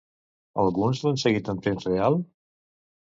Alguns l'han seguit en temps real?